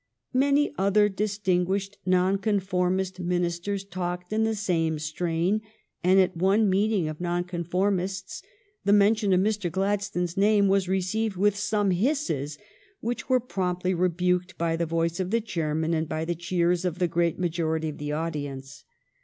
Many other distinguished Nonconformist ministers talked in the same strain, and at one meeting of Nonconformists the mention of Mr. Gladstone's name was received with some hisses, which were promptly rebuked by the voice of the chairman and by the cheers of the great majority of the audience.